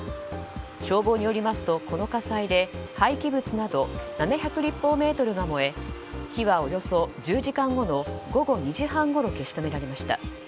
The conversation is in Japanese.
消防によりますとこの火災で廃棄物など７００立方メートルが燃え火はおよそ１０時間後の午後２時半ごろ消し止められました。